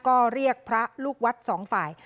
ก็เรียกพระลูกวัดสองฝ่าย